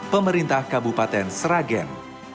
pemerintah kabupaten sragen